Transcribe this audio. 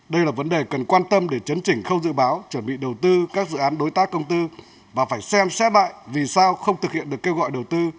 đây là vấn đề cần quan tâm để chấn chỉnh khâu dự báo chuẩn bị đầu tư các dự án đối tác công tư và phải xem xét lại vì sao không thực hiện được kêu gọi đầu tư